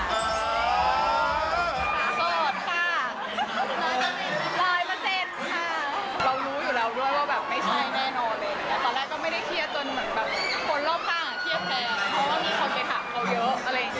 จนเราก็เลยรู้สึกว่าเดี๋ยวยังไงดีอะไรแบบนี้